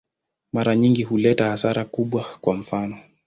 Mara nyingi huleta hasara kubwa, kwa mfano.